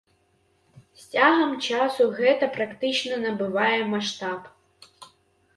З цягам часу гэта практыка набывае маштаб.